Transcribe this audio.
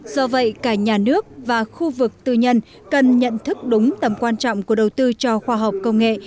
do vậy cả nhà nước và khu vực tư nhân cần nhận thức đúng tầm quan trọng của đầu tư cho khoa học công nghệ